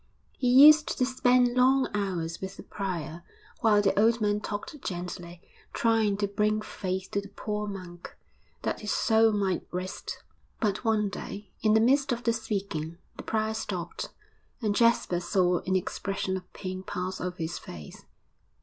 He used to spend long hours with the prior, while the old man talked gently, trying to bring faith to the poor monk, that his soul might rest. But one day, in the midst of the speaking, the prior stopped, and Jasper saw an expression of pain pass over his face.